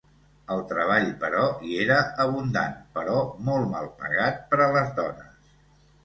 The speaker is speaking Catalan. El treball, però, hi era abundant però molt mal pagat per a les dones.